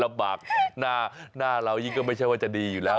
ลำบากหน้าเรายิ่งก็ไม่ใช่ว่าจะดีอยู่แล้ว